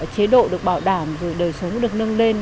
chế độ được bảo đảm rồi đời sống được nâng lên